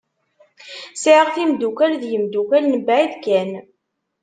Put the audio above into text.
Sɛiɣ timdukal d yimdukal mebɛid kan.